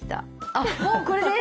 あっもうこれで⁉